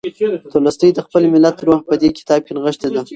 تولستوی د خپل ملت روح په دې کتاب کې نغښتی دی.